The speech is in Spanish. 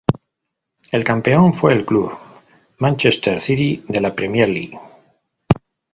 El campeón fue el club Manchester City de la Premier League.